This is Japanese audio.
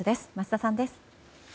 桝田さんです。